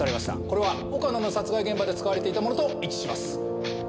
これは岡野の殺害現場で使われていたものと一致します。